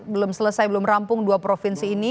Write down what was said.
belum selesai belum rampung dua provinsi ini